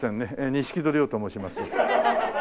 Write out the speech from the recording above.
錦戸亮と申します。